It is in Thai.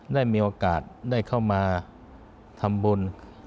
ได้มีโอกาสได้เข้ามาทำบุญ